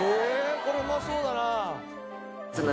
これうまそうだな。